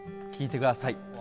聴いてください。